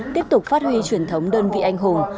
tiếp tục phát huy truyền thống đơn vị anh hùng